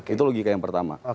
itu logika yang pertama